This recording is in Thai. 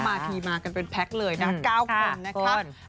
มาทีมากันเป็นแพ็คเลยนะ๙คนนะครับ